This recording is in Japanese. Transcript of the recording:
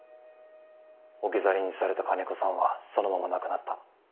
置き去りにされた金子さんはそのまま亡くなった。